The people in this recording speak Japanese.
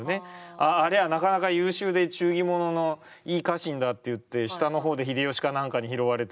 あああれはなかなか優秀で忠義者のいい家臣だって言って下の方で秀吉かなんかに拾われて。